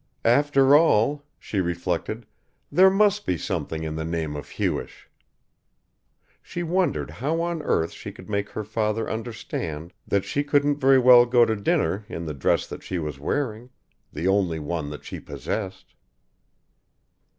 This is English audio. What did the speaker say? After all, she reflected, there must be something in the name of Hewish. She wondered how on earth she could make her father understand that she couldn't very well go to dinner in the dress that she was wearing, the only one that she possessed.